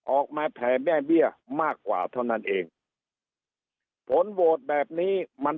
ออกมาแผ่แม่เบี้ยมากกว่าเท่านั้นเองผลโหวตแบบนี้มัน